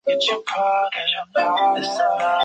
是伊宁事变的重要力量。